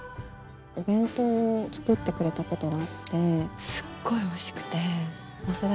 お弁当を作ってくれたことがあってすっごいおいしくて忘れられない。